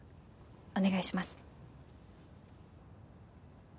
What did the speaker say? お願いします。